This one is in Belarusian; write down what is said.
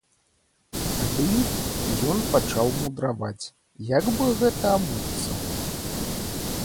Тады ён пачаў мудраваць, як бы гэта абуцца.